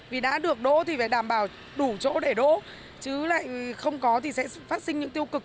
vì đã được đỗ thì phải đảm bảo đủ chỗ để đỗ chứ lại không có thì sẽ phát sinh những tiêu cực